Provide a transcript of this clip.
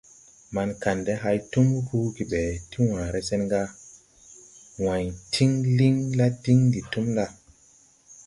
Man kandɛ hay tum ruugi ɓɛ ti wããre sen ga :« wãy tiŋ liŋ la diŋ ndi tum ɗa !».